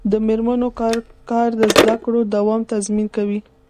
د میرمنو کار د زدکړو دوام تضمین کوي.